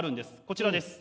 こちらです。